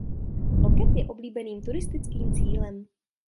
Loket je oblíbeným turistickým cílem.